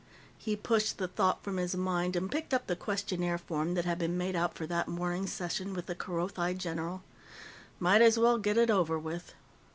He pushed the thought from his mind and picked up the questionnaire form that had been made out for that morning's session with the Kerothi general. Might as well get it over with.